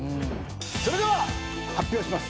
それでは発表します。